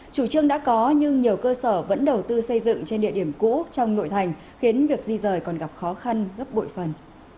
chủ trương đã có nhưng nhiều cơ sở vẫn đầu tư xây dựng trên địa điểm cũ trong nội thành khiến việc di rời còn gặp khó khăn gấp bội phần